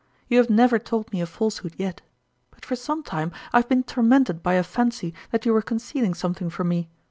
" You have never told me a falsehood yet ; but for some time I have been tormented by a fancy that you were con cealing something from me.